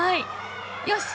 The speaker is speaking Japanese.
よし！